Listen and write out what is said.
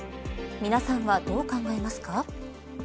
皆さんはどう考えますか。